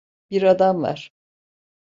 Bir adam var.